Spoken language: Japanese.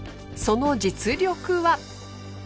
その実力は。